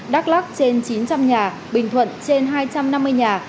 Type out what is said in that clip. bắc trên chín trăm linh nhà bình thuận trên hai trăm năm mươi nhà